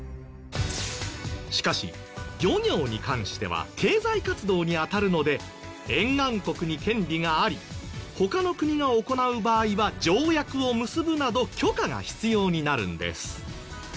しかし漁業に関しては経済活動に当たるので沿岸国に権利があり他の国が行う場合は条約を結ぶなど許可が必要になるんです。